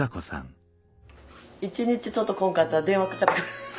１日ちょっと来んかったら電話かかって来る。